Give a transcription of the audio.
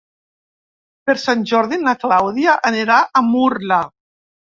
Per Sant Jordi na Clàudia anirà a Murla.